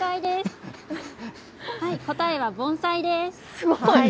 答えは盆栽です。